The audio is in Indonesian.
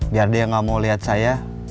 biar dia gak mau lihat saya